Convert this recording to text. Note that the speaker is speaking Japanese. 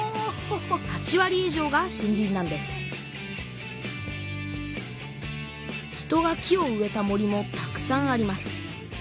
８わり以上が森林なんです人が木を植えた森もたくさんあります。